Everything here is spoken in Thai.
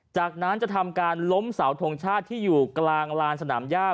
จากนั้นจะทำการล้มเสาทงชาติที่อยู่กลางลานสนามย่า